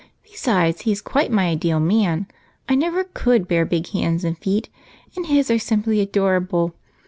Besides, he is quite my ideal man. I never could bear big hands and feet, and his are simply adorable.